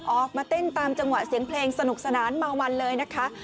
ออกมาเต้นตามจังหวะเสียงเพลงสนุกสนานเมามันเลยนะคะ